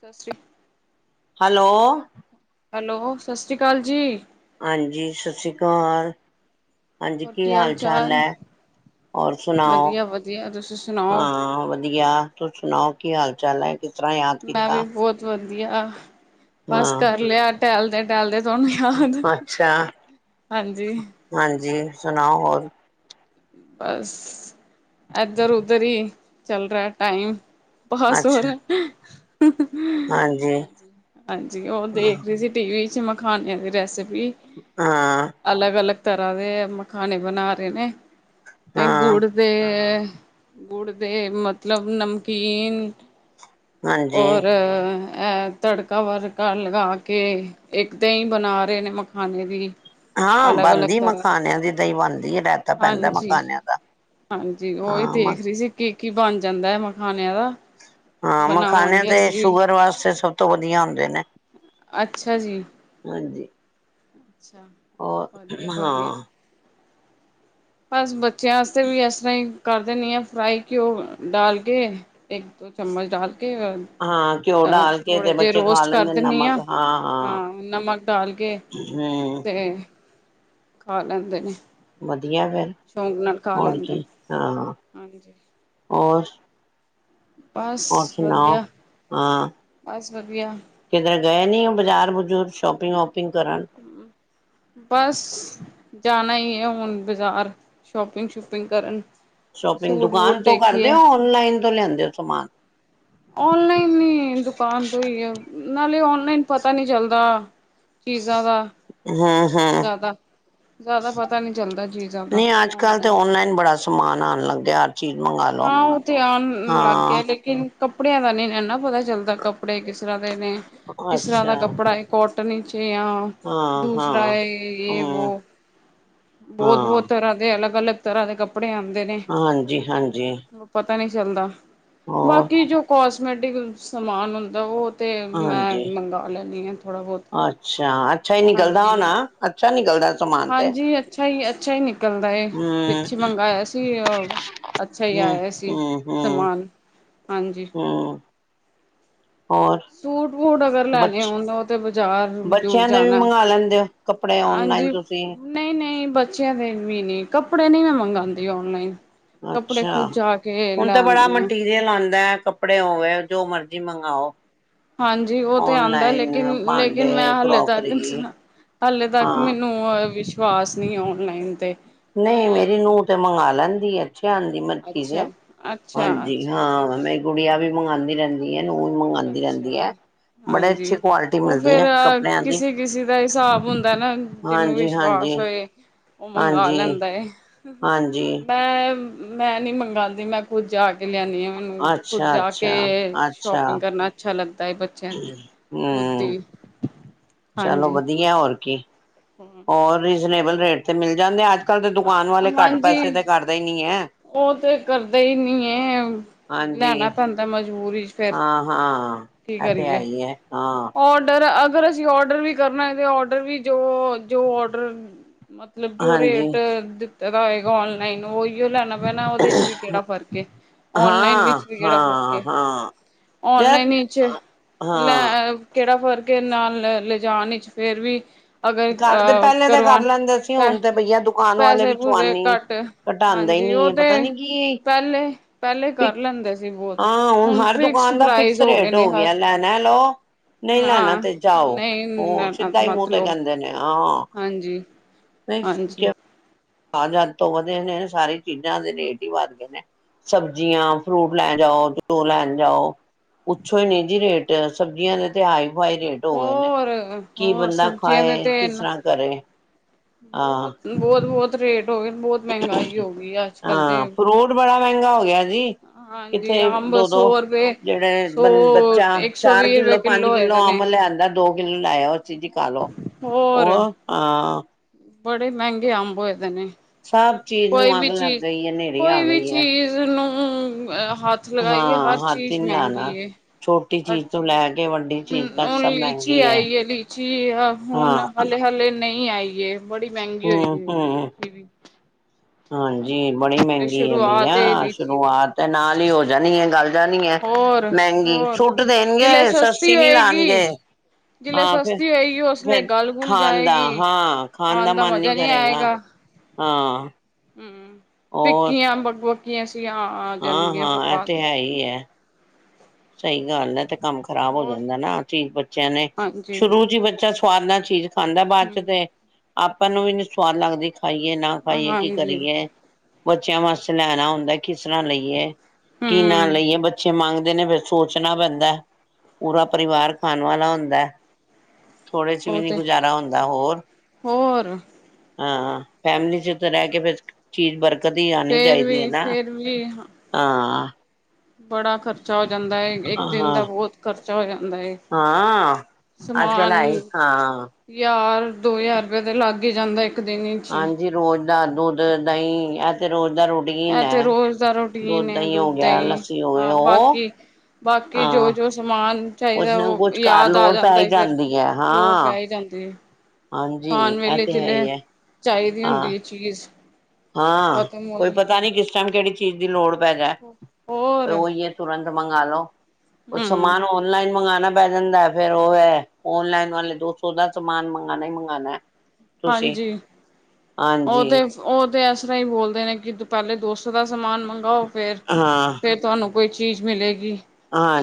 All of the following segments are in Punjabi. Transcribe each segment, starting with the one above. ਸਤਿ ਸ਼੍ਰੀ ਹੈਲੋ। ਹੈਲੋ, ਸਤਿ ਸ਼੍ਰੀ ਅਕਾਲ ਜੀ। ਹਾਂਜੀ, ਸਤਿ ਸ਼੍ਰੀ ਅਕਾਲ। ਹਾਂਜੀ, ਕੀ ਹਾਲ ਚਾਲ ਹੈ? ਹੋਰ ਸੁਣਾਓ, ਵਧੀਆ ਵਧੀਆ ਤੁਸੀਂ ਸੁਣਾਓ ਹਾਂ ਵਧੀਆ। ਤੁ ਸੁਣਾਓ ਕੀ ਹਾਲ ਚਾਲ ਹੈ? ਕਿ ਤਰ੍ਹਾਂ ਯਾ ਮੈਂ ਵੀ ਬਹੁਤ ਵਧੀਆ, ਬਸ ਹਾਂ ਕਰ ਲਿਆ ਟਹਿਲਦੇ-ਟਹਿਲਦੇ ਤੁਹਾਨੂੰ ਯਾਦ, ਅੱਛਾ ਹਾਂਜੀ। ਹਾਂਜੀ, ਸੁਣਾਓ ਹੋਰ? ਬਸ, ਏਧਰ-ਔਦਰ ਹੀ ਚੱਲ ਰਿਹਾ ਟਾਈਮ। ਬਸ, ਹੋਰ ਅੱਛਾ ਹਾਂਜੀ ਹਾਂਜੀ, ਉਹ ਤੇਂ ਹਾਂ ਦੇਖ ਰਹੀ ਸੀ ਟੀਵੀ'ਚ ਮਖਾਨਿਆਂ ਦੀ ਰੈਸਿਪੀ ਹਾਂ। ਅਲੱਗ-ਅਲੱਗ ਤਰ੍ਹਾਂ ਦੇ, ਮਖਾਣੇ ਬਣਾ ਰਹੇ ਨੇ। ਹਾਂ ਗੁੜ ਦੇ, ਗੁੜ ਦੇ ਮਤਲਬ, ਨਮਕੀਨ ਹਾਂਜੀ ਔਰ ਇਹ ਤੜਕਾ-ਵਰਕਾ ਲਗਾ ਕੇ, ਇੱਕ ਤੇ ਦਹੀ ਬਣਾ ਰਹੇ ਨੇ ਮਖਾਨਣੇ ਦੀ। ਹਾਂ, ਅਲੱਗ-ਅਲੱਗ ਬਣਦੀ ਤਰ੍ਹਾਂ ਮਖਾਨਿਆਂ ਦੀ ਦਹੀਂ ਬਣਦੀ, ਰਹਿਤਾ ਪੈਂਦਾ ਹਾਂਜੀ। ਮਖਾਨਿਆਂ ਦਾ। ਹਾਂਜੀ, ਔਹੀ ਹਾਂ ਮ ਦੇਖ ਰਹੀ ਸੀ ਕੀ-ਕੀ ਬਣ ਜਾਂਦਾਏ, ਮਖਾਣਿਆਂ ਦਾ। ਹਾਂ, ਮਖਾਾਨਿਆਂ ਬਣਾਵਾਂਗੇ ਤੇ ਅਸੀਂ ਵੀ ਸ਼ੂਗਰ ਵਾਸਤੇ ਸਭ ਤੋਂ ਵਧੀਆ ਹੁੰਦੇ ਨੇ। ਅੱਛਾ ਜੀ। ਹਾਂਜੀ। ਅੱਛਾ, ਔਰ ਵਧੀਆ ਵਧੀਆ। ਹਾਂ ਬਸ, ਬੱਚਿਆਂ ਆਸਤੇ ਵੀ ਇਸ ਤਰ੍ਹਾਂ ਕਰ ਦਿੰਨੀ ਆ ਫਰਾਈ ਘਿਓ ਡਾਲ ਕੇ, ਇੱਕ-ਦੋ ਚਮਚ ਡਾਲ ਕੇ। ਹਾਂ, ਘਿਓ ਅ ਡਾਲ ਕੇ ਥੋੜੇ ਤੇ ਜਿਹੇ ਬੱਚੇ ਖਾ ਰੋਸਟ ਕਰ ਲੈਂਦੇ ਨੇ ਦਿੰਦੀ ਨਮਕ, ਹਾਂ ਹਾਂ। ਨਮਕ ਡਾਲ ਕੇ ਹੂੰ। ਤੇ ਖਾ ਲੈਂਦੇ ਨੇ। ਵਧੀਆ ਫਿਰ ਸ਼ੌਂਕ ਨਾਲ ਖਾ ਹੋਰ ਲੈਂਦੇ ਕੀ ਨੇ ਹਾਂ, ਹਾਂਜੀ ਹੋਰ? ਬਸ ਹੋਰ ਸੁਣਾਓ ਵਧੀਆ, ਬਸ ਵਧੀਆ। ਕਿਧਰੇ ਗਏ ਨਹੀਂ ਓ ਬਾਜ਼ਾਰ-ਬਜੂਰ, ਸ਼ੋਪਿੰਗ-ਵੋਪਿੰਗ ਕਰਨ? ਹਮ [unintelligible] ਬਸ, ਜਾਣਾ ਹੀ ਆ ਹੁਣ ਬਜ਼ਾਰ ਸ਼ੋਪਿੰਗ ਸ਼ੂਪਿੰਗ ਕਰਨ। ਸ਼ੋਪਿੰਗ ਸੂਟ ਵੂਟ ਦੁਕਾਨ ਤੋਂ ਕਰਦੇ ਦੇਖੀਏ ਹੋ, ਔਨਲਾਈਨ ਤੋਂ ਲਿਆਂਦੇ ਹੋ ਸਮਾਨ? ਔਨਲਾਈਨ ਨਹੀਂ, ਦੁਕਾਨ ਤੋਂ ਹੀ ਨਾਲੇ ਔਨਲਾਈਨ ਪਤਾ ਨੀ ਚੱਲਦਾ। ਚੀਜ਼ਾਂ ਦਾ ਹਮ ਹਮ ਜਾਦਾ, ਜਾਦਾ ਪਤਾ ਨੀ ਚੱਲਦਾ। ਚੀਜ਼ਾਂ ਦਾ ਨਹੀਂ, ਅੱਜ-ਕੱਲ ਤੇ ਔਨਲਾਈਨ ਬੜਾ ਸਮਾਨ ਆਉਣ ਲੱਗ ਗਿਆ, ਹਰ ਚੀਜ਼ ਮੰਗਾ ਹਾਂ, ਉਹ ਤੇ ਆਣ ਲੱਗ ਗਿਆ ਲੇਕਿਨ ਕੱਪੜਿਆਂ ਦਾ ਨਹੀਂ ਨਾ ਪਤਾ ਚੱਲਦਾ, ਕੱਪੜੇ ਕਿਸ ਤਰ੍ਹਾਂ ਦੇ ਨੇ, ਕਿਸ ਤਰ੍ਹਾਂ ਦਾ ਅੱਛਾ ਕੱਪੜਾ ਏ। ਕੋਟਨ ਵਿੱਚ ਆ, ਹਾਂ ਦੂਸਰਾ ਹਾਂ ਏ ਯੇ ਹਮ ਵੋ। ਬਹੁਤ ਹਾਂ ਬਹੁਤ ਤਰ੍ਹਾਂ ਦੇ ਅਲੱਗ- ਅਲੱਗ ਤਰ੍ਹਾਂ ਦੇ ਕੱਪੜੇ ਆਂਦੇ ਨੇ। ਹਾਂਜੀ ਹਾਂਜੀ ਪਤਾ ਨਹੀਂ ਚੱਲਦਾ, ਹੋਰ ਬਾਕੀ ਜੋ ਕੋਸਮੈਟਿਕ ਸਮਾਨ ਹੁੰਦਾ ਉਹ ਤੇ ਮੈਂ ਹਾਂਜੀ ਮੰਗਾਂ ਲੈਂਦੀ ਆ ਥੋੜ੍ਹਾ ਬਹੁਤ, ਅੱਛਾ ਅੱਛਾ ਹੀ ਨਿਕਲਦਾ ਹਾਂਜੀ। ਹੋਣਾ ਅੱਛਾ ਨਿਕਲਦਾ ਸਮਾਨ ਤੇ। ਹਾਂਜੀ ਅੱਛਾ ਹੀ ਅੱਛਾ ਹੀ ਨਿਕਲਦਾ ਏ, ਹੂੰ ਪਿੱਛੇ ਮੰਗਾਇਆ ਸੀ ਉਹ ਅੱਛਾ ਹੂੰ ਆਇਆ ਸੀ ਹੂੰ ਹੂੰ ਸਮਾਨ ਹਾਂਜੀ। ਹੂੰ ਹੋਰ? ਸੂਟ, ਬੂਟ ਅਗਰ ਲੈਣੇ ਬੱਚ ਹੋਣ ਉਹ ਤੇ ਬਜ਼ਾਰ ਬਜ਼ੂਰ ਬੱਚਿਆਂ ਦੇ ਵੀ ਜਾਣਾ, ਮੰਗਵਾ ਲੈਂਦੇ ਹੋ ਕੱਪੜੇ ਔਨਲਾਈਨ ਹਾਂਜੀ। ਤੁਸੀਂ ਨਹੀਂ ਨਹੀਂ, ਬੱਚਿਆਂ ਦੇ ਵੀ ਨਹੀਂ ਕੱਪੜੇ ਨਹੀਂ ਮੈਂ ਮੰਗਾਂ ਦੀ ਔਨਲਾਈਨ। ਕੱਪੜੇ ਖ਼ੁਦ ਜਾ ਕੇ ਲੈ ਆਉਣੀ ਆ। ਤੇਲ ਆਂਦਾ, ਕੱਪੜੇ ਹੋਵੇ ਜੋ ਮਰਜ਼ੀ ਮੰਗਾ ਓ। ਹਾਂਜੀ, ਉਹ ਤੇ ਆਂਦਾ ਲੇਕਿਨ ਲੇਕਿਨ ਮੈਂ ਭਾਂਡੇ ਹਾਲੇ ਤੱਕ ਕਰੋਕਰੀ ਹੱਲੇ ਤੱਕ ਹਾਂ ਮੈਨੂੰ ਵਿਸ਼ਵਾਸ ਨਹੀਂ ਔਨਲਾਈਨ ਤੇ। ਨਹੀਂ, ਮੇਰੀ ਮੈਂ ਨੂੰਹ ਤੇ ਮੰਗਾਂ ਲੈਂਦੀ ਐ, ਅੱਛੇ ਆਂਦੀ ਮੈ ਵੇਖੀ ਦੇ ਅੱਛਾ, ਆ, ਅੱਛਾ, ਹਾਂਜੀ ਅੱਛੇ ਹੁੰਦੇ ਨੇ ਹਾਂ, ਮੇਰੀ ਗੁੜੀਆਂ ਵੀ ਮੰਗਾਂ ਦੀ ਰਹਿੰ ਰਹਿੰਦੀ, ਨੂੰਹ ਵੀ ਮੰਗਾਂ ਦੀ ਅੱਛਾ ਰਹਿੰਦੀ ਐ, ਜੀ, ਬੜੇ ਹਾਂਜੀ। ਅੱਛੀ ਕੁਆਲਿਟੀ ਮਿਲਦੀ ਐ ਕੱਪੜਿਆਂ ਦੀ। ਕਿਸੀ ਦਾ ਹਿਸਾਬ ਹੁੰਦਾ ਨਾ, ਜਿਹਨੂੰ ਹਾਂਜੀ, ਹਾਂਜੀ, ਵਿਸ਼ਵਾਸ ਹੋਏ। ਉਹ ਮੰਗਵਾ ਹਾਂਜੀ, ਲੈਂਦਾ ਏ। ਹਾਂਜੀ। ਮੈਂ ਮੈਂ ਨੀ ਮੰਗਾਂ ਦੀ ਮੈਂ ਖ਼ੁਦ ਜਾ ਕੇ ਲਿਆਣੀ ਆ, ਮੈਨੂੰ ਖ਼ੁਦ ਅੱਛਾ, ਜਾ ਕੇ ਅੱਛਾ, ਅੱਛਾ ਸ਼ੋਪਿੰਗ ਕਰਨਾ ਅੱਛਾ ਲੱਗਦਾ ਏ, ਬੱ ਬੱਚਿਆਂ ਲਈ, ਖ਼ੁਦ ਹੂੰ ਦੀ। ਚਲੋ ਵਧੀਆ ਹੋਰ ਕੀ, ਹੋਰ ਰੀਜਨੇਬਲ ਰੇਟ ਤੇ ਮਿਲ ਜਾਂਦੇ ਅੱ ਅੱਜ-ਕੱਲ ਤੇ ਦੁਕਾਨ ਹਾਂ ਵਾਲੇ ਘੱਟ ਹਾਂਜੀ। ਪੈਸੇ ਤੇ ਕਰਦੇ ਹੀ ਨੀ ਐ। ਉਹ ਤੇ ਕਰਦੇ ਹੀ ਨੀ ਏ, ਹਾਂਜੀ, ਲੈਣਾ ਪੈਂਦਾ ਮਜਬੂਰੀ ਚ। ਫਿਰ ਹਾਂ, ਹਾਂ ਕੀ ਇਹ ਤੇ ਹੈ ਕਰੀਏ ਹੀ ਹੈ ਹਾਂ। ਔਡਰ ਅਗਰ ਅਸੀਂ ਔਡਰ ਵੀ ਕਰਨਾ ਹੋਏ ਤੇ ਔਡਰ ਵੀ ਜੋ ਜੋ ਔਡਰ ਮਤਲਬ ਜੋ ਹਾਂਜੀ, ਰੇਟ ਦਿੱਤੇ ਦਾ ਹੋਏਗਾ ਔਨਲਾਈਨ ਓਈਓ ਲੈਣਾ ਵਾਲਾ ਓਦੇ 'ਚ ਵੀ ਕੇੜਾ ਫ਼ਰਕ ਏ, ਔਨਲਾਈਨ ਹਾਂ, ਵਿੱਚ ਵੀ ਕੇੜਾ ਫਰਕ ਹਾਂ, ਏ ਹਾਂ ਔਨਲਾਈਨ ਯਾਰ ਇਚ ਲੈ ਹਾਂ ਕੇੜਾ ਫਰਕ ਏ ਨਾਲ ਲੇ ਲੇਜਾਣ ਚ ਫੇਰ ਵੀ ਅਗਰ ਘਰਦੇ ਅ ਪੈਲੇ ਤਾਂ ਕਰ ਕਰਵਾਣ ਲੈਂਦੇ ਸੀ ਪੈ ਹੁਨ ਤੇ ਬਈਆ ਦੁਕਾਨ ਵਾਲੇ ਪੈਸੇ ਵੀ ਪੂਸੇ ਚਵਾਨੀ ਘੱਟ ਘਟੈਦੇ ਹਾਂਜੀ ਉਹ ਈਨੀ, ਤੇ ਪਤਾ ਨੀ ਕੀ ਪਹਿਲੇ ਪਹਿਲੇ ਕਰ ਲੈਂਦੇ ਸੀ ਬਹੁਤ ਆ, ਹੁਣ ਹਰ ਫਿਕਸਡ ਦੁਕਾਨ ਦਾ ਫਿਕਸ ਪ੍ਰਾਈਜ਼ ਗਏ ਰੇਟ ਨੇ ਹੋ ਹਰ ਗਿਆ, ਲੈਣਾ ਲਓ ਨਈਂ ਲੈਣਾ ਹਾਂ ਤੇ ਜਾਓ, ਨਹੀਂ ਓ ਸਿੱਧਾ ਈ ਮੂੰਹ ਤੇ ਮਤਲਬ ਕੈਂਦੇ ਨੇ। ਹਾਂ, ਹਾਂਜੀ ਨਈ ਹਾਂਜੀ ਕਯਾ ਪਤਾ। ਆ ਜਦ ਤੋਂ ਵਧੇ ਸਾਰੇ ਚੀਜਾਂ ਦੇ ਰੇਟ ਈ ਵੱਧ ਗਏ ਨੇ। ਸਬਜ਼ੀਆਂ, ਫਰੂਟ ਲੈਣ ਜਾਓ, ਘਿਓ ਲੈਣ ਜਾਓ। ਪੁੱਛੋ ਈ ਨਈ ਜੀ ਰੇਟ, ਸਬਜ਼ੀਆਂ ਦੇ ਤੇ ਹਾਈ-ਫਾਈ ਰੇਟ। ਹੋ ਗਏ ਨੇ ਹੋਰ ਕੀ ਹੋਰ ਬੰਦਾ ਸਬਜ਼ੀਆਂ ਖਾਏ, ਕਿਸ ਤਰ੍ਹਾਂ ਕਰੇ? ਹਾਂ ਬੋਤ ਬੋਤ-ਬੋਤ ਰੇਟ ਹੋ ਗਏ ਬੋਤ। ਹਾਂ, ਫਰੂਟ ਬੜਾ ਮੈਂਗਾ ਹੋ ਗਿਆ ਜੀ। ਹਾਂਜੀ ਕਿੱਥੇ ਅੰਬ ਦੋ-ਦੋ ਸੌ ਰੁਪਏ ਜੇੜੇ ਸੌ ਬ ਬੱਚਾ ਇੱਕ ਸੌ ਚਾਰ ਵੀਹ ਰੁਪਏ ਕਿੱਲੋ ਪੰਜ ਹੋਏ ਦੇ ਕਿੱਲੋ ਨੇ ਅੰਬ ਲੀਐਦਾਂ, ਦੋ ਕਿੱਲੋ ਲੈਯਾ ਓ ਓਦੇ ਚ ਖਾਲੋ। ਹੋਰ। ਹੋਰ, ਹਾਂ। ਬੜੇ ਮੈਂਗੇ ਅੰਬ ਹੋਏ ਦੇ ਨੇ। ਸਭ ਚੀਜ਼ ਕੋਈ ਨੂੰ ਅੱਗ ਵੀ ਲੱਗ ਚੀਜ਼ ਗਈ ਐ, ਨੇਰੀ ਆ ਕੋਈ ਵੀ ਗਈ ਐ। [unintelligible] ਨੂੰ ਹੱਥ ਲਗਾਈਏ ਹਰ ਹਾਂ ਹੱਥ ਹੀ ਚੀਜ਼ ਨੀ ਮੈਂਗੀ ਲਾਣਾ। ਏ। ਛੋਟੀ ਹਰ ਤੋਂ ਚੀਜ਼, ਲੈ ਕੇ ਵੱਡੀ ਚੀਜ਼ ਤੱਕ ਹੁਣ ਸਭ ਲੀਚੀ ਮਹਿੰਗੀ ਹੈ। ਆਈ ਏ ਲੀਚੀ ਹਾਂ ਹੁਨ ਹਲੇੇ-ਹਲੇ ਨਈ ਆਈ ਏ, ਬੜੀ ਮੈਂਗੀ ਹੋਏਗੀ ਹੂੰ-ਹੂੰ। ਲੀਚੀ ਵੀ। ਹਾਂਜੀ, ਬੜੀ ਹਲੇ ਮੈਂਗੀ ਐ ਸ਼ੁਰੂਆਤ ਏ ਬਈਆ, ਲੀਚੀ ਦੀ ਸ਼ੁਰੂਆਤ ਐ ਨਾਲ ਈ ਹੋ ਜਾਣੀਐ ਗੱਲ ਦਾ ਨੀ ਐ ਮੈਂਗੀ, ਹੋਰ-ਹੋਰ ਸੁੱਟ ਜਿਲੇ ਦੇਣਗੇ ਸਸਤੀ ਨੀ ਹੋਏਗੀ ਲਾਣਗੇ। ਜਿਲੇ ਆਂ ਫੇ ਸਸਤੀ ਹੋਏਗੀ ਉਸਲੇ ਫੇਰ ਗਲ-ਗੁਲ ਖਾਣ ਦਾ ਜਾਏਗੀ। ਹਾਂ, ਖਾਣ ਦਾ ਮਨ ਨੀ ਮਜ਼ਾ ਨਹੀਂ ਕਰੇਗਾ। ਆਏਗਾ ਹਾਂ। ਹੂੰ ਹੋਰ ਫਿੱਕੀਆਂ ਬਕ ਬਕੀਆਂ ਜੀਆ ਆ ਜਾਣਗੀਆਂ ਫਿਰ ਬਾਅ ਸਈ ਐ। ਸਈ ਗੱਲ ਐ, ਤੇ ਕੰਮ ਖ਼ਰਾਬ ਹੋ ਹੋਰ ਜਾਂਦਾ ਐਨਾ ਐ ਚੀ ਬੱਚਿਆਂ ਨੇ, ਹਾਂਜੀ ਸ਼ੁਰੂ ਚ ਈ ਬੱਚਾ ਸਵਾਦ ਨਾਲ ਚੀਜ ਖਾਂਦੈ, ਬਾਦ ਚ ਹਮ ਤੇ ਆਪਾਂ ਨੂੰ ਵੀ ਨੀ ਸਵਾਦ ਲੱਗਦੀ। ਖਾਈਏ ਨਾ ਖਾਈਏ, ਕੀ ਹਾਂਜੀ ਕਰੀਏ? ਬੱਚਿਆਂ ਵਾਸਤੇ ਲੈਣਾ ਹੁੰਦਾ ਕਿਸ ਤਰਾਂ ਲਈਏ? ਕਿਹਨਾਂ ਹਮ ਲਈਏ ਬੱਚੇ ਮੰਗਦੇ ਨੇ ਫੇਰ। ਸੋਚਣਾ ਪੈਂਦੈ, ਪੂਰਾ ਪਰਿਵਾਰ ਖਾਨ ਵਾਲਾ ਹੁੰਦੈ। ਥੋੜੇ ਚ ਵੀ ਉਹ ਨੀ ਤੇ ਗੁਜ਼ਾਰਾ ਹੁੰਦਾ ਹੋਰ ਹੋਰ ਹਾਂ, ਫੈਮਿਲੀ ਚ ਤੇ ਰੈ ਕੇ ਫੇਰ ਚੀਜ ਬਰਕਤ ਈ ਆਣੀ ਫੇਰ ਚਾਈਦੀ ਵੀ ਐਨਾ, ਫੇਰ ਵੀ ਹਾਂ। ਬੜਾ ਖਰਚਾ ਹੋ ਜਾਂਦਾ ਏ, ਏਕ ਦਿਨ ਹਾਂ ਦਾ ਬੌਤ ਖਰਚਾ ਹੋ ਜਾਂਦਾ ਏ। ਹਾਂ, ਅੱਜ-ਕੱਲ ਹੈ ਈ, ਹਾਂ। ਯਾਰ, ਦੋ ਯਾਰ ਰੁਪਏ ਤੇ ਲੱਗ ਈ ਜਾਂਦੈ। ਹਾਂਜੀ, ਰੋਜ਼ ਦਾ ਦੁੱਧ, ਦਈ ਐ ਤੇ ਰੋਜ਼ ਦਾ ਰੋ ਟੀਨ ਇਹ ਤੇ ਐ, ਰੋਜ਼ ਦਾ ਰੂਟੀਨ ਦੁੱਧ ਹੈ ਦਈ ਹੋ ਗਿਆ, ਦਹੀਂ ਲੱਸੀ ਹੋ ਗੀ ਹਾਂ ਓ ਬਾਕੀ ਬਾਕੀ ਜੋ ਹਾਂ, ਜੋ ਸਮਾਨ ਕੁੱਛ ਚਾਹੀਦਾ ਨਾ ਉਹ ਕੁਛ ਘਰ ਯਾਦ ਆ ਲੋੜ ਪੈ ਜਾਂਦਾ ਈ ਹੈ ਫਿਰ ਜਾਂਦੀ ਆ, ਲੋੜ ਹਾਂ। ਪੈ ਹੀ ਜਾਂਦੀ ਹੈ ਹਾਂਜੀ ਖਾਣ ਇਹ ਵੇਲੇ ਤੇ ਹੈ ਜੀਲੇ ਹੀ ਹੈ ਚਾਈਦੀ ਹਾਂ ਹੁੰਦੀ ਐ ਚੀਜ਼। ਹਾਂ ਖਤਮ ਹੋ ਕੋਈ ਜਾ ਪਤਾ ਨੀ ਕਿਸ ਟਾਈਮ ਕੇੜੀ ਚੀਜ਼ ਦੀ ਲੋੜ ਪੈ ਜਾਏ ਹੋਰ ਤੇ ਓਈ ਤੁਰੰਤ ਮੰਗਾ ਲੋ ਕੁਛ ਹੂੰ ਸਮਾਨ ਔਲਾਈਨ ਮਂਗਾਣਾ ਪੈ ਜਾਂਦਾ ਐ ਫੇਰ ਓ ਹੈ ਔਨਲਾਈਨ ਵਾਲੇ ਦੋ ਸੌ ਦਾ ਸਮਾਨ ਮੰਗਾਣਾ ਈ ਮੰਗਾਣਾ। ਹਾਂਜੀ ਓ ਹਾਂਜੀ ਤੇ ਓ ਤੇ ਇਸ ਤਰ੍ਹਾਂ ਈ ਬੋਲਦੇ ਨੇ ਕਿ ਪਹਿਲੇ ਦੋਸੋ ਦਾ ਸਮਾਨ ਮੰਗਾਓ ਫੇਰ ਹਾਂ ਫ ਤੁਆਨੂੰ ਕੋਈ ਚੀਜ਼ ਮਿਲੇਗੀ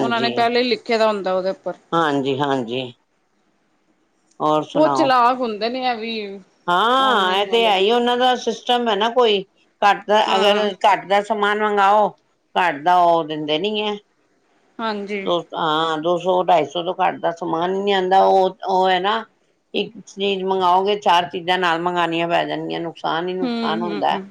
ਓਨਾਂ ਨੇ ਪੈਲੇ ਈ ਲਿਖੇ ਦਾ ਹੁੰਦਾ ਓਦੇ ਉੱਪਰ। ਹਾਂਜੀ ਹਾਂਜੀ। ਹੋਰ ਬਹੁਤ ਸੁਣਾਓ ਚਲਾਕ ਹੁੰਦੇ ਨੇ ਐ ਵੀ। ਹਾਂ ਇਹ ਔਨਲਾਈਨ ਤੇ ਹੈ ਵਾਲੇ ਈ ਓ ਨਾਂ ਦਾ ਸਿਸਟਮ ਐ ਨਾ ਕੋਈ ਘੱਟ ਦਾ ਅਗਰ ਹਾਂ ਘੱਟ ਦਾ ਸਮਾਨ ਮੰਗਓ ਘੱਟ ਦਾ ਓ ਦਿੰਦੇ ਨੀ ਹੈ। ਹਾਂਜੀ। ਦੋ ਹਾਂ ਦੋ ਸੌ ਢਾਈ ਸੌ ਤੋਂ ਘੱਟ ਦਾ ਸਮਾਨ ਈ ਨੀ ਆੰਦਾ ਓ ਓ ਹੈ ਨਾ ਇੱਕ ਚੀਜ਼ ਮੰਗਾਓਗੇ ਚਾਰ ਚੀਜ਼ਾਂ ਨਾਲ ਮੰਗਉਣੀਆਂ ਪੈ ਜਾਂਗਿਆਂ ਨੁਕਸਾਨ ਈ ਹੂੰ ਨੁਕਸਾਨ ਹੁੰਦਾ। ਹੂੰ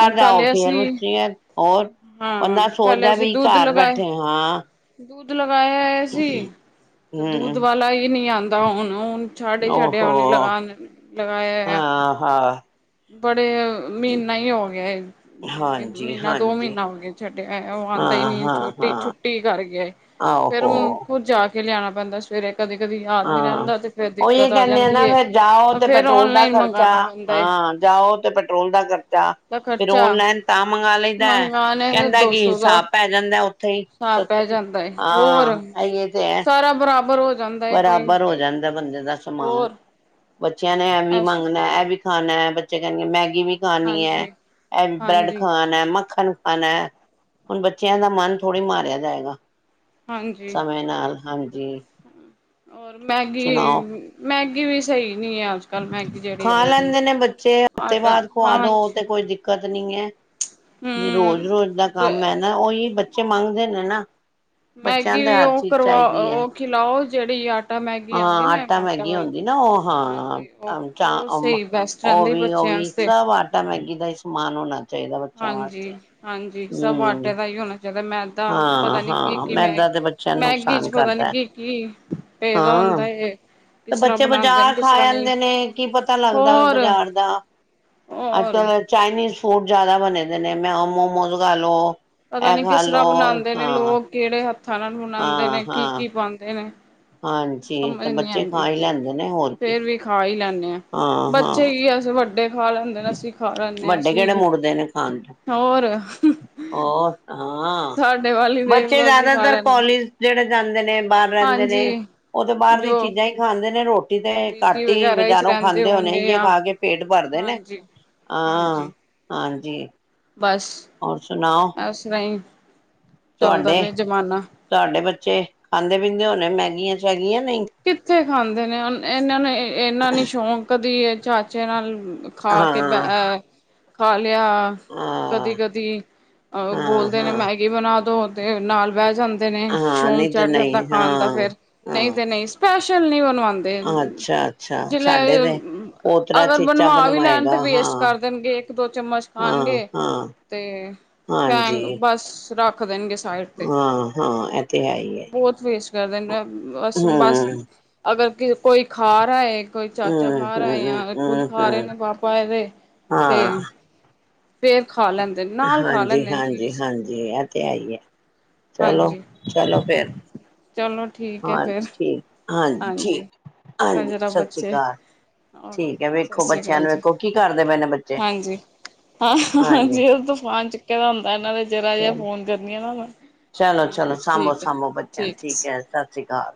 ਹੁਣ ਜਾਓ ਪਹਿਲੇ ਫੇਰ ਅਸੀਂ [unintelligible] ਹੋਰ ਹਾਂ ਬੰਦਾ ਪਹਿਲੇ ਸੋਚਦਾ ਅਸੀਂ ਵੀ ਦੁੱਧ ਘਰ ਲਗਾਏ ਬੈਠੇ ਆ ਹਾਂ। ਦੁੱਧ ਲਗਾਇਆ ਹੋਇਆ ਸੀ ਤੇ ਦੁੱਧ ਹਮ ਵਾਲਾ ਈ ਨੀ ਆੰਦਾ ਹੁਣ ਛਾਡੇ ਛਡਿਆ ਓਨੇ ਓਹੋ ਲਗਾ ਲਗਾਇਆ ਹਾਂ ਹਾਂ [unintelligible] ਬੜੇ ਅ ਮਹੀਨਾ ਈ ਹੋ ਗਿਆ। ਹਾਂਜੀ ਮਹੀਨਾ ਦੋ ਹਾਂਜੀ ਮਹੀਨਾ ਹੋ ਗਿਆ ਛੱਡਿਆ ਓ ਹਾਂ ਆੰਦਾ ਈ ਨੀ ਹਾਂ ਛੋਟੀ ਹਾਂ ਛੁੱਟੀ ਕਰ ਗਿਆ ਏ ਫੇਰ ਆਹੋ ਹੁਣ ਖੁਦ ਜਾ ਕੇ ਲਿਆਣਾ ਪੈਂਦਾ ਫੇਰ ਏ ਕਦੀ ਕਦੀ ਯਾਦ ਨੀ ਹਾਂ ਰੈਂਦਾ ਤੇ ਫੇਰ ਦਿੱਕਤ ਉਹੀ ਆ ਕਹਿੰਦੇ ਜਾਂਦੀ ਨਾ ਏ ਫੇਰ ਜਾਓ ਤਾਂ ਤੇ ਫੇਰ ਪੈਟਰੋਲ ਦਾ ਔਨਲਾਈਨ ਖਰਚਾ ਮੰਗਾਣਾ ਪੈਂਦਾ ਏ ਹਾਂ ਜਾਓ ਤੇ ਪੈਟਰੋਲ ਦਾ ਖਰਚਾ। ਦਾ ਫੇਰ ਖਰਚਾ ਓਨਲਾਈਨ ਤਾਂ ਮੰਗਾ ਲੈਂਈਦਾ ਮੰਗਾਣੇ ਦਾ ਕੈਂਦਾ ਦੋ ਕਿ ਸੌ ਦਾ ਹਿਸਾਬ ਪੈ ਜਾਂਦਾ ਉੱਥੇ ਹੀ। [unintelligible] ਪੈ ਸਸਤੇ ਜਾਂਦਾ ਏ ਹੋਰ ਹਾਂ ਇਹ ਤੇ ਹੈ ਸਾਰਾ ਬਰਾਬਰ ਹੋ ਜਾਂਦਾ ਏ ਕੋਈ ਬਰਾਬਰ ਹੋ ਜਾਂਦਾ ਬੰਦੇ ਦਾ ਸਮਾਨ। ਹੋਰ ਬੱਚਿਆਂ ਨੇ ਇਹ ਵੀ ਐਸ ਮੰਗਣਾ ਇਹ ਵੀ ਖਾਣਾ ਬੱਚੇ ਕਹਣਗੇ ਮੈਗੀ ਵੀ ਖਾਣੀ ਹੈ ਹਾਂਜੀ, ਇਹ ਬ੍ਰੈਡ ਹਾਂਜੀ, ਖਾਣਾ ਮੱਖਣ ਖਾਣਾ। ਹੁਣ ਬੱਚਿਆਂ ਦਾ ਮਨ ਥੋੜ੍ਹੀ ਮਾਰਿਆ ਜਾਏਗਾ ਹਾਂਜੀ। ਸਮੇਂ ਨਾਲ ਹਾਂਜੀ। ਹੋਰ ਮੈਗੀ ਸੁਣਾਓ ਮੈਗੀ ਵੀ ਸਹੀ ਨੀ ਹੈ ਅੱਜ ਕੱਲ ਮੈਗੀ ਜਿਹੜੀ ਖਾ ਆਈ ਦੀ। ਲੈਂਦੇ ਨੇ ਬੱਚੇ ਹਫ਼ਤੇ ਆਟਾ ਬਾਅਦ ਖਵਾ ਦੋ ਹਾਂਜੀ, ਤੇ ਕੋਈ ਦਿੱਕਤ ਨੀ ਹੈ। ਰੋਜ਼ ਹੂੰ। ਰੋਜ਼ ਦਾ ਕੰਮ ਹੈ ਨਾ ਉਹੀ ਬੱਚੇ ਮੰਗਦੇ ਨੇ ਨਾ। ਬੱਚਿਆਂ ਮੈਗੀ ਦੇ ਵੀ ਹਰ ਉਹ ਚੀਜ਼ ਕਰਵਾ ਚਾਹੀਦੀ ਹੈ ਉਹ ਖਿਲਾਓ ਜਿਹੜੀ ਆਟ ਹਾਂ ਆਟਾ ਮੈਗੀ ਹੁੰਦੀ ਨਾ ਉਹ ਹਾਂਜੀ, ਉਹ ਹਾਂ ਚ ਉਹ ਸਹੀ ਬੈਸਟ ਉਹ ਰਹਿੰਦੀ ਵੀ ਉਹ ਬੱਚਿਆਂ ਵੀ ਆਸਤੇ। ਸਭ ਆਟਾ ਮੈਗੀ ਦਾ ਹੀ ਸਮਾਨ ਹੋਣਾ ਚਾਹੀਦਾ ਬੱਚਿਆਂ ਹਾਂਜੀ, ਵਾਸਤੇ। ਹਾਂਜੀ ਸਭ ਹਮ ਆਟੇ ਦਾ ਹੀ ਹੋਣਾ ਚਾਹੀਦਾ ਮੈਂ ਤਾਂ ਹਾਂ ਪਤਾ ਨੀ ਕੀ ਹਾਂ ਕੀ ਮੈਂ ਮੈਦਾ ਤੇ ਬੱਚਿਆਂ ਨੂੰ ਮੈਗੀ ਚ ਨੁਕਸਾਨ ਪਤਾ ਨੀ ਕਰਦਾ ਕੀ ਕੀ ਪਏਦਾ ਹਾਂ ਹੁੰਦਾ ਏ ਤੇ ਕਿਸ ਤਰ੍ਹਾਂ ਬੱਚੇ ਬਣਾਂਦੇ ਨੇ ਬਜ਼ਾਰ ਕਿਸ ਖਾ ਤਰ੍ਹਾਂ ਨਹੀਂ, ਆੰਦੇ ਨੇ ਕੀ ਪਤਾ ਲੱਗਦਾ ਵੇ ਹੋਰ, ਬਜ਼ਾਰ ਦਾ। [unintelligible] ਅੱਜ ਕਲ ਚਾਈਨੀਜ਼ ਫੂਡ ਜ਼ਿਆਦਾ ਬਣੇ ਦੇ ਨੇ ਮ ਮੋਮੋਜ਼ ਖਾ ਲਓ। ਪਤਾ ਐ ਨੀ ਕਿਸ ਖਾਲੋ ਤਰ੍ਹਾਂ ਬਣਾਉਂਦੇ ਨੇ ਹਾਂ। ਲੋਕ ਕਿਹੜੇ ਹੱਥਾਂ ਨਾਲ ਬਨਾਉਂਦੇ ਹਾਂ ਨੇ ਕੀ ਹਾਂ ਕੀ ਪਾਉਂਦੇ ਨੇ। ਹਾਂਜੀ ਸਮਝ ਤੇ ਨਹੀਂ ਬੱਚੇ ਖਾ ਆਉਂਦੀ ਹੀ ਲੈਂਦੇ ਨੇ ਹੋਰ ਕੀ। ਫੇਰ ਵੀ ਖਾ ਹੀ ਲੈਂਦੇ ਹਾਂ ਬੱਚੇ ਕੀ ਅਸੀਂ ਵੱਡੇ ਵਡੇ ਖਾ ਲੈਂਦੇ ਨੇ, ਅਸੀਂ ਖਾ ਲੈਂਦੇ ਹਾਂ। ਵੱਡੇ ਕਿਹੜੇ ਅਸੀਂ ਮੁੜਦੇ ਨੇ ਖਾਣ ਤੋਂ ਹੋਰ, ਹੋਰ ਹਾਂ ਸਾਡੇ ਵਾਲੀ ਬੱਚੇ ਦੇਖਲੋ ਅਸੀਂ ਖਾ ਜ਼ਿਆਦਾਤਰ ਲੈਂਦੇ ਹਾਂ ਕੋਲਜ ਜਿਹੜੇ ਜਾਂਦੇ ਨੇ। ਬਾਰ ਰਹਿੰਦੇ ਨੇ। ਹਾਂਜੀ ਉਹ ਤੇ ਬਾਰ ਦੀ ਜੋ ਚੀਜ਼ਾਂ ਈ ਖਾਂਦੇ ਨੇ, ਰੋਟੀ ਤੇ ਪੀਜੀ ਘੱਟ ਈ ਵਗੈਰਾ ਵਿੱਚ ਬਜ਼ਾਰੋਂ ਰਹਿੰਦੇ ਖਾਂਦੇ ਹੋਣੇ, ਹੋਣਗੇ ਇ ਜਾਂ ਖਾ ਕੇ ਪੇਟ ਭਰਦੇ ਨੇ। ਹਾਂਜੀ ਹਾਂ ਹਾਂਜੀ ਹਾਂਜੀ। ਬਸ। ਹੋਰ ਸੁਣਾਓ। ਇਸਰਾ ਈ ਚੱਲਦਾ ਤੁਹਾਡੇ ਪਿਆ ਜ਼ਮਾਨਾ। ਤੁਹਾਡੇ ਬੱਚੇ ਖਾਂਦੇ ਪੀਂਦੇ ਹੋਣੇ ਮੈਗੀਆਂ ਸ਼ੈਗੀਆਂ ਨਹੀਂ। ਕਿੱਥੇ ਖਾਂਦੇ ਨੇ, ਇਹਨਾਂ ਨੇ ਇਹਨਾਂ ਨੇ ਸ਼ੌਕ ਕਦੀ ਏ ਚਾਚੇ ਨਾਲ, ਖਾ ਕਿੱਦਾਂ ਹਾਂ ਅਹ, ਖਾ ਲਿਆ ਕਦੀ ਹਾਂ ਕਦੀ ਅਹ ਹਾਂ ਬੋਲਦੇ ਨੇ ਹਾਂ ਮੈਗੀ ਬਣਾ ਦੋ। ਤੇ ਨਾਲ ਬਹਿ ਜਾਂਦੇ ਨੇ ਹਾਂ ਸ਼ੌਕ ਨਹੀਂ ਤੇ ਚੜ੍ਹ ਜਾਂਦਾ ਨਹੀਂ ਖਾਣ ਦਾ ਹਾਂ ਫੇਰ ਨਹੀਂ ਹਾਂ ਤੇ ਨਹੀਂ। ਸਪੈਸ਼ਲ ਨਹੀਂ ਓਨੂੰ। [unintelligible] ਤੇ ਅੱਛਾ ਅੱਛਾ ਜਿਲੇ ਸਾਡੇ ਓ ਤੇ ਪੋਤਰਾ ਅਗਰ ਚੀਚਾ ਬਣਵਾ ਵੀ ਲੈਣ ਬਣਵਾਏਗਾ ਤੇ ਹਾਂ ਵੇਸਟ ਕਰ ਦੇਣਗੇੇ। ਇੱਕ ਦੋ ਚਮਚ ਹਾਂ ਖਾਣਗੇ ਹਾਂ ਤੇ ਹਾਂਜੀ ਫ ਬਸ ਰੱਖ। ਰੱਖ ਦੇਣਗੇ ਸਾਈਡ ਤੇ, ਹਾਂ ਹਾਂ ਇਹ ਤੇ ਹੈ ਹੀ ਹੈ ਬਹੁਤ ਵੇਸਟ ਕਰਦੇਣ ਗੇ, ਬਸ- ਬਸ ਹਮ ਅਗਰ ਕੋਈ ਖਾ ਰਾ ਏ। ਕੋਈ ਚਾਚਾ ਹਮ ਖਾ ਰਾ ਹਮ ਜਾਂ ਏ ਖੁਦ ਹਮ ਖਾ ਰੇ ਹਮ ਨੇ ਪਾਪਾ ਇਹਦੇ, ਤੇ ਹਾਂ ਫੇਰ ਖਾ ਲੈਣ। ਹਾਂਜੀ, ਹਾਂਜੀ, ਹਾਂਜੀ ਇਹ ਤੇ ਹੈ ਈ ਐ। ਹਾਂਜੀ ਚਲੋ। ਠੀਕ ਹੈ ਫਿਰ ਹਾਂਜੀ ਠੀਕ ਹਾਂਜੀ, ਠੀਕ ਹਾਂਜੀ ਜਰਾ ਸਤਿ ਸ੍ਰੀ ਬੱਚੇ। ਅਕਾਲ ਓ ਠੀਕ ਹੈ ਸਤਿ ਵੇਖੋ ਸ੍ਰੀ ਬੱਚਿਆਂ ਅਕਾਲ ਨੂੰ ਜੀ ਵੇਖੋ ਕੀ ਕਰਦੇ ਪਏ ਨੇ ਬੱਚੇ ਹਾਂਜੀ। ਹਾਂ ਹ ਜ ਹਾਂਜੀ ਉਹ ਤੂਫਾਨ ਚੁੱਕੇ ਦਾ ਹੁੰਦਾ। ਇਹਨਾਂ ਦਾ ਜ਼ਰਾ ਜਿਹਾ ਫੋਨ ਕਰਨੀ ਆ ਨਾ ਮੈਂ, ਚਲੋ-ਚਲੋ ਹਾਂਜੀ ਠੀਕ ਹੈ ਸਭੋ-ਸਭੋ ਬੱਚਿਆਂ ਨੂੰ ਠੀਕ ਹੈ। ਐ, ਸਤਿ ਸ਼੍ਰੀ ਅਕਾਲ।